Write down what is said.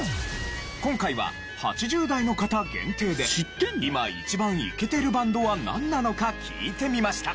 今回は８０代の方限定で今一番イケてるバンドはなんなのか聞いてみました。